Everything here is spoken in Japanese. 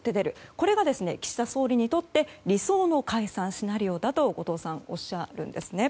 これが岸田総理にとって理想の解散シナリオだと後藤さんはおっしゃるんですね。